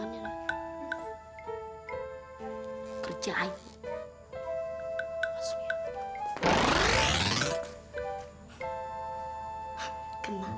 masukin ke bedung